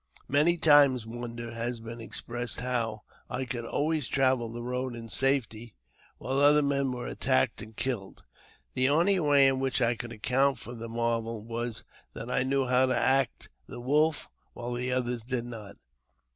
Many times wonder has been expressed how I could always travel the road in safety while other men were attacked and killed. The only way in which I could account for the marvel was that I knew how to act the " wolf," while the others did not.